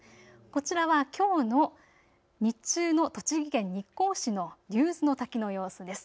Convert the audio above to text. こちらはきょうの日中の栃木県日光市の竜頭滝の様子です。